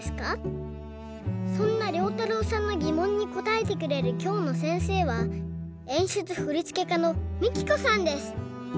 そんなりょうたろうさんのぎもんにこたえてくれるきょうのせんせいはえんしゅつふりつけかのＭＩＫＩＫＯさんです。